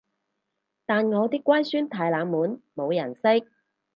但我啲乖孫太冷門冇人識